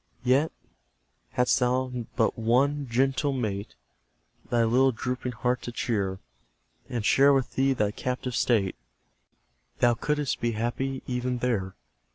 Yet, hadst thou but one gentle mate Thy little drooping heart to cheer, And share with thee thy captive state, Thou couldst be happy even there.